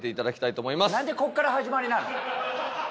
なんでここから始まりなの？